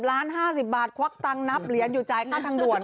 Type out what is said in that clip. ๕๐ล้าน๕๐บาทควักตั้งนับเหรียญอยู่ใจค่าทางด่วน